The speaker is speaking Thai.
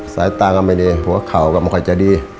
สายตาก็ไม่ดีหัวเข่าก็ไม่ค่อยจะดี